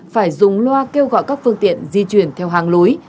phải dùng loa kêu gọi các phương tiện di chuyển theo hàng lối